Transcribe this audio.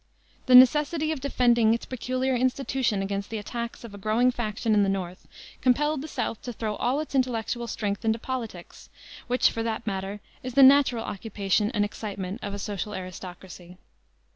The necessity of defending its peculiar institution against the attacks of a growing faction in the North compelled the South to throw all its intellectual strength into politics, which, for that matter, is the natural occupation and excitement of a social aristocracy.